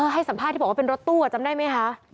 ให้สัมภาษณ์ที่บอกว่าเป็นรถตู้จำได้ไหมคะ